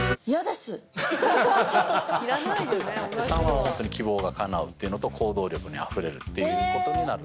３はホント希望がかなうっていうのと行動力にあふれるっていうことになるんで例えば。